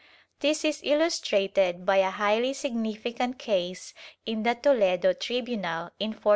This is illustrated by a highly significant case in the Toledo tribimal in 1488.